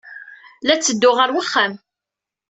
La ttedduɣ ɣer wexxam.